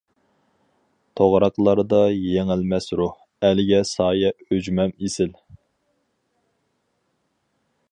توغراقلاردا يېڭىلمەس روھ، ئەلگە سايە ئۈجمەم ئېسىل.